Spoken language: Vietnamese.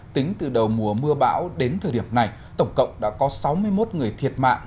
tính từ đầu mùa mưa bão đến thời điểm này tổng cộng đã có sáu mươi một người thiệt mạng